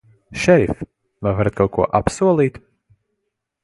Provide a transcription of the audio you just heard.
Šerif, vai varat kaut ko apsolīt?